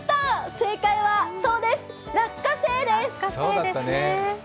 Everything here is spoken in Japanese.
正解はそうです、落花生です。